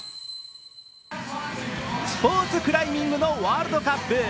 スポーツクライミングのワールドカップ。